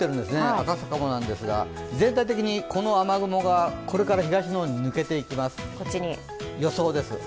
赤坂もなんですが、全体的にこの雨雲がこれから東の方へ抜けていきます、予想です。